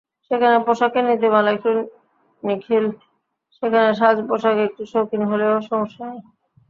সেখানে পোশাকের নীতিমালা একটু শিথিল, সেখানে সাজপোশাক একটু শৌখিন হলেও সমস্যা নেই।